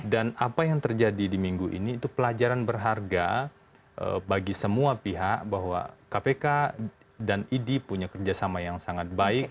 dan apa yang terjadi di minggu ini itu pelajaran berharga bagi semua pihak bahwa kpk dan idi punya kerjasama yang sangat baik